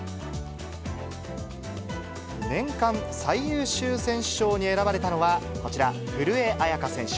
年間最優秀選手賞に選ばれたのは、こちら、古江彩佳選手。